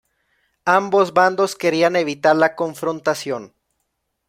Ambos bandos querían evitar la confrontación.